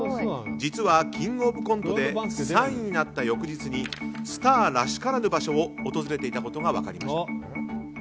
実は、「キングオブコント」で３位になった翌日にスターらしからぬ場所を訪れていたことが分かりました。